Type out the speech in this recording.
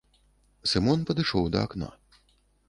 Сымон падышоў да акна.